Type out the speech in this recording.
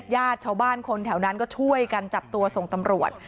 ญาติชาวบ้านคนแถวนั้นก็ช่วยกันจับตัวส่งตำรวจ